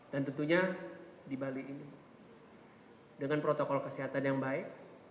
dan tentunya di bali ini dengan protokol kesehatan yang baik